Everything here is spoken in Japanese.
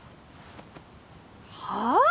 はあ？